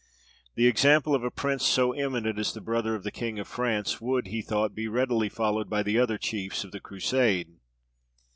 The example of a prince so eminent as the brother of the king of France, would, he thought, be readily followed by the other chiefs of the Crusade.